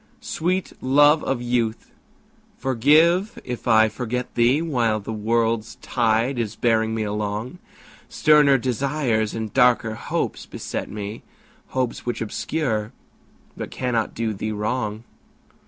Sweet love of youth, forgive if I forget thee While the world's tide is bearing me along; Sterner desires and darker hopes beset me, Hopes which obscure but cannot do thee wrong.